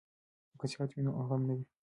که صحت وي نو غم نه وي.